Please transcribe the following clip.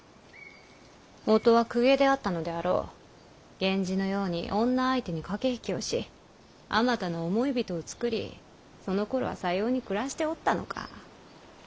源氏のように女相手に駆け引きをしあまたの想い人を作りそのころはさように暮らしておったのか。